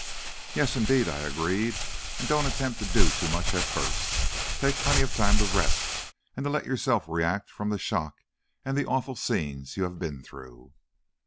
"Yes, indeed," I agreed, "and don't attempt to do too much at first. Take plenty of time to rest and to let yourself react from the shock and the awful scenes you have been through."